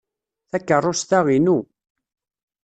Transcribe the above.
Takeṛṛust-a inu.